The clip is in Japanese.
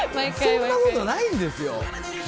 そんなことないんですよ。